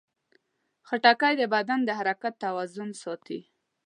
خټکی د بدن د حرارت توازن ساتي.